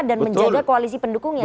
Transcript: dan menjaga koalisi pendukungnya